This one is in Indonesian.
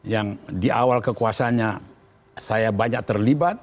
yang di awal kekuasanya saya banyak terlibat